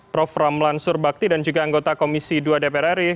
prof ramlan surbakti dan juga anggota komisi dua dpr ri